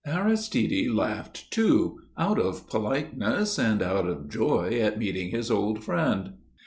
Aristide laughed too, out of politeness and out of joy at meeting his old friend.